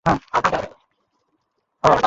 রব, সে আমার যমজ বোন।